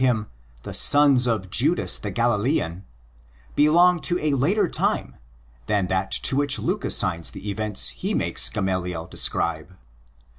88 THE ACTS OF THE APOSTLES sons of Judas the Galilean," belong to a later time than that to which Luke assigns the events he makes Gamaliel describe.